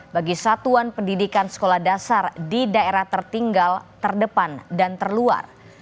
bagi satuan pendidikan sekolah dasar di daerah tertinggal terdepan dan terluar